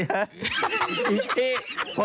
เล่าซิเนอะ